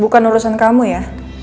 bukan urusan kamu ya